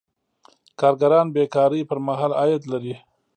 کارګران بې کارۍ پر مهال عاید لري.